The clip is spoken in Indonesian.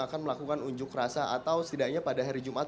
akan melakukan unjuk rasa atau setidaknya pada hari jumat